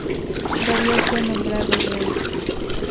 Darío fue nombrado rey.